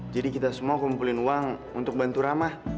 jadi kita semua ngumpulin uang untuk bantu rama